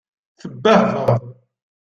Tebbehbaḍ?